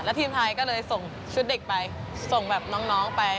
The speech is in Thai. ทีมไทยก็เลยส่งชุดเด็กไปส่งแบบน้องไป